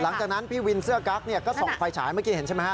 หลังจากนั้นพี่วินเสื้อกั๊กก็ส่องไฟฉายเมื่อกี้เห็นใช่ไหมฮ